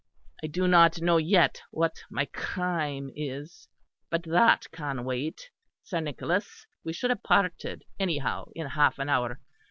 I do not know yet what my crime is. But that can wait. Sir Nicholas, we should have parted anyhow in half an hour.